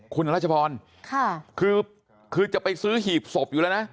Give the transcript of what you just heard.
คุณรัชพรคือจะไปซื้อหีบศพอยู่แล้วนะ